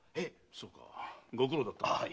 そうかご苦労だったな。